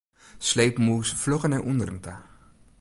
Sleep mûs flugger nei ûnderen ta.